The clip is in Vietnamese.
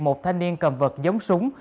một thanh niên cầm vật giống súng